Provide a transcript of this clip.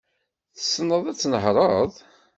Tesneḍ ad tnehreḍ?